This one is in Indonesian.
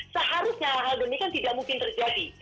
seharusnya hal hal demikian tidak mungkin terjadi